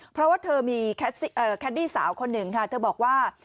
เพราะว่าเธอมีแคดดี้สาวคนหนึ่งค่ะเธอบอกว่า